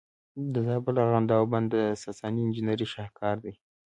د زابل ارغنداب بند د ساساني انجینرۍ شاهکار دی